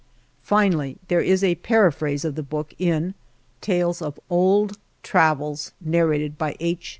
Finally there is a paraphrase of the book in Tcdes of Old Travels, Nar rated by H.